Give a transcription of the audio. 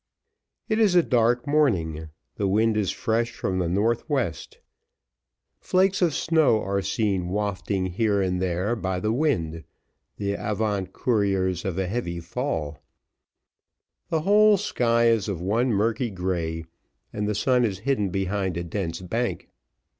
It is a dark morning; the wind is fresh from the northwest; flakes of snow are seen wafting here and there by the wind, the avant couriers of a heavy fall; the whole sky is of one murky grey, and the sun is hidden behind a dense bank.